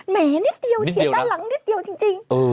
แม้นิดเดียวเฉียดด้านหลังนิดเดียวจริง